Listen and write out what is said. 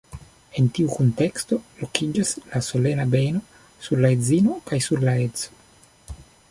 En tiu kunteksto lokiĝas la solena beno sur la edzino kaj sur la edzo.